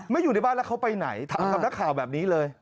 อยู่ในบ้านแล้วเขาไปไหนถามกับนักข่าวแบบนี้เลย